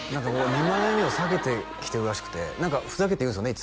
ニ枚目を避けてきてるらしくて何かふざけて言うんですよね？